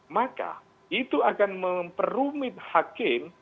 maka itu akan memperumit hakim